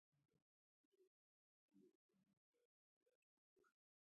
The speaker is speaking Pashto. پسه د یتیمو او مسکینو برخه هم ورکول کېږي.